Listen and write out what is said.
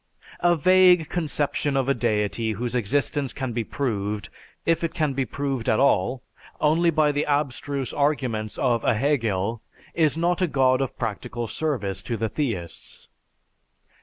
A vague conception of a deity whose existence can be proved, if it can be proved at all, only by the abstruse arguments of a Hegel is not a god of practical service to the theists.